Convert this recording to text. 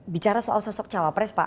bicara soal sosok cawapres pak